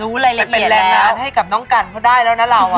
รู้รายละเอียดแล้วเป็นแรงร้านให้กับน้องกันเขาได้แล้วนะเราอ่ะ